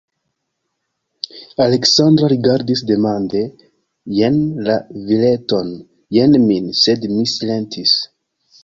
Aleksandra rigardis demande jen la vireton, jen min, sed mi silentis.